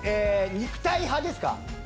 肉体派ですか？